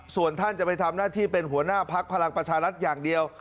ส่วนท่านจะไปทำหน้าที่เป็นหัวหน้าพักพลังประชารัฐอย่างเดียว